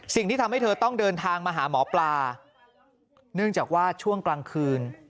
สิ่งที่ทำให้เธอต้องเดินทางมาหาหมอปลาเนื่องจากว่าช่วงกลางคืน